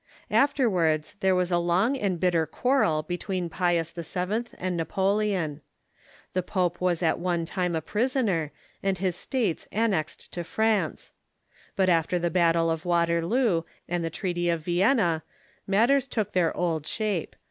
Afterwards there '^'fhe Church ^^^^^ long and bitter quarrel between Pius VII. and Napoleon. The pope was at one time a pris oner, and his states annexed to France. But after the battle of Waterloo and the treaty of Vienna matters took their old shape.